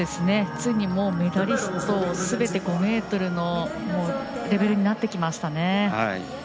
ついに、メダリストすべて５ｍのレベルになってきましたね。